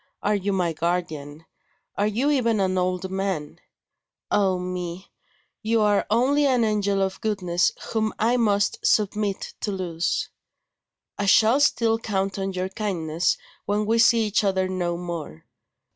are you my guardian? are you even an old man? Ah me! you are only an angel of goodness whom I must submit to lose. I shall still count on your kindness when we see each other no more.